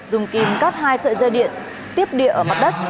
dùng kìm cắt hai sợi dây điện tiếp địa ở mặt đất